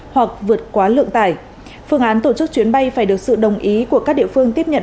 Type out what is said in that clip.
hoặc vượt quá lượng tải phương án tổ chức chuyến bay phải được sự đồng ý của các địa phương tiếp nhận